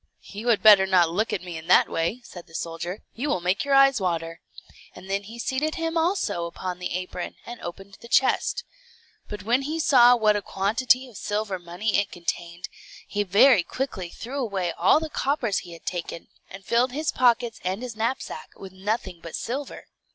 "You had better not look at me in that way," said the soldier; "you will make your eyes water;" and then he seated him also upon the apron, and opened the chest. But when he saw what a quantity of silver money it contained, he very quickly threw away all the coppers he had taken, and filled his pockets and his knapsack with nothing but silver.